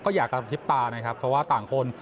อยากกระพริบตานะครับเพราะว่าต่างคน